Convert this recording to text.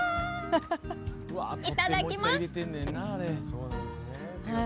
いただきます！